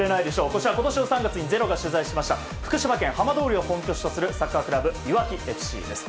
こちらは今年の３月に「ｚｅｒｏ」が取材しました福島県浜通りを本拠地とするサッカークラブ、いわきＦＣです。